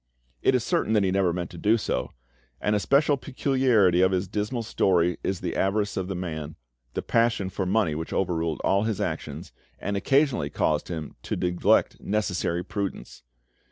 It is certain that he never meant to do so; and a special peculiarity of this dismal story is the avarice of the man, the passion for money which overruled all his actions, and occasionally caused him to neglect necessary prudence.